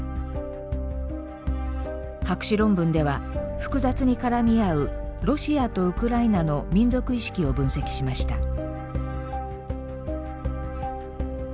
博士論文では複雑に絡み合うロシアとウクライナの民族意識を分析しました。